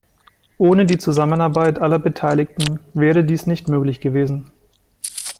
Ohne die Zusammenarbeit aller Beteiligten wäre dies nicht möglich gewesen.